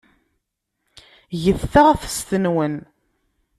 Get taɣtest-nwen.